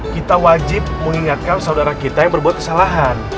kita wajib mengingatkan saudara kita yang berbuat kesalahan